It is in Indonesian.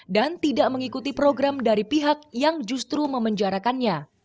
tidak mengikuti program dari pihak yang justru memenjarakannya